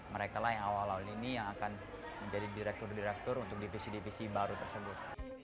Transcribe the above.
mereka lah yang awal awal ini yang akan menjadi direktur direktur untuk divisi divisi baru tersebut